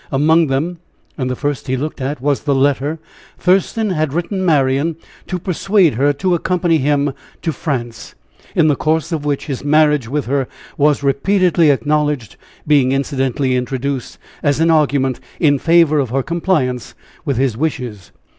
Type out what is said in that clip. Among them, and the first he looked at, was the letter Thurston had written Marian to persuade her to accompany him to France, in the course of which his marriage with her was repeatedly acknowledged, being incidentally introduced as an argument in favor of her compliance with his wishes.